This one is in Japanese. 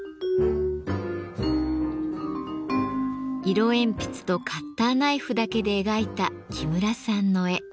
色鉛筆とカッターナイフだけで描いた木村さんの絵。